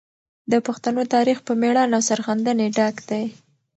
د پښتنو تاریخ په مړانه او سرښندنې ډک دی.